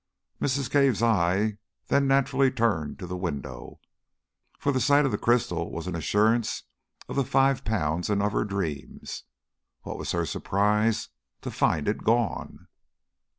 Mrs. Cave's eye then naturally turned to the window; for the sight of the crystal was an assurance of the five pounds and of her dreams. What was her surprise to find it gone!